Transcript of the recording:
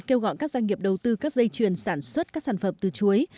kêu gọi các doanh nghiệp đầu tư các dây chuyền sản xuất các sản phẩm từ chuối